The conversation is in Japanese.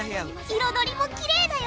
色どりもきれいだよ！